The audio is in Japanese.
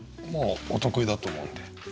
もうお得意だと思うんで。